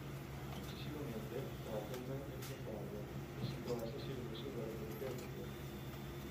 Successivamente, Turtle Man ricomparve, e sembrò essersi rimesso dalle ferite avute.